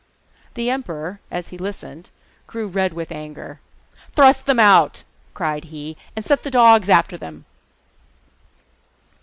The emperor, as he listened, grew red with anger. 'Thrust them out,' cried he. 'Set the dogs after them.